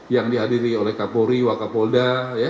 yang dihadiri oleh kapolri waka polda